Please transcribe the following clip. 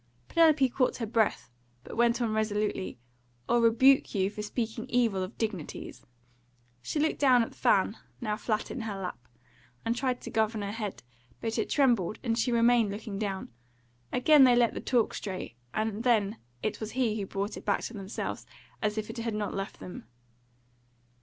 Penelope caught her breath, but went on resolutely, "or rebuke you for speaking evil of dignities." She looked down at the fan, now flat in her lap, and tried to govern her head, but it trembled, and she remained looking down. Again they let the talk stray, and then it was he who brought it back to themselves, as if it had not left them.